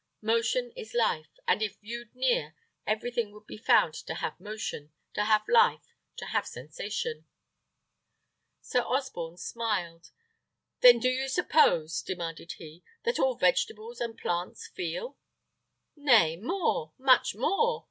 Motion is life; and if viewed near, everything would be found to have motion, to have life, to have sensation." Sir Osborne smiled. "Then do you suppose," demanded he, "that all vegetables and plants feel?" "Nay, more, much more!"